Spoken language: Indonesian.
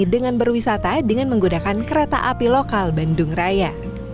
dengan berwisata dengan menggunakan kereta api lokal bandung raya